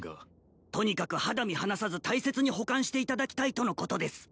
とにかく肌身離さず大切に保管していただきたいとのことです！